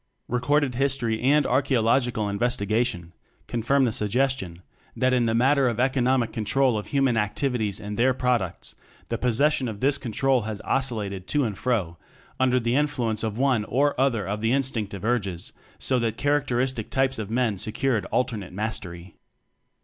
Recorded history and archaeologic al investigation confirm the sugges tion that in the matter of economic control of human activities and their products, the possession of this con trol has oscillated to and fro under TECHNOCRACY the influence of one or other of the instinctive urges, so that character istic types of men secured alternate mastery.